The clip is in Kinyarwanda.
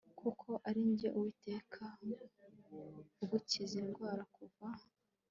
kuko ari Jye Uwiteka ugukiza indwara Kuva